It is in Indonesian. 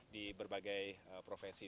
di berbagai profesi